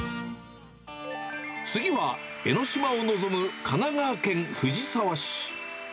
次は、江の島を望む神奈川県藤沢市。